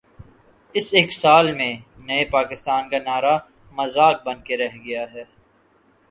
اس ایک سال میں نئے پاکستان کا نعرہ مذاق بن کے رہ گیا ہے۔